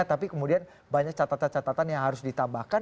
tapi kemudian banyak catatan catatan yang harus ditambahkan